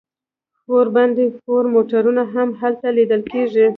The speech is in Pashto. فور بای فور موټرونه هم هلته لیدل کیږي